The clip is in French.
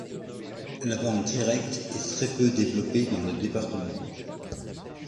La vente directe est très peu développée dans le département.